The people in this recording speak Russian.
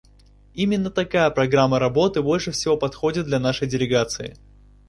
Именно такая программа работы больше всего подходит для нашей делегации.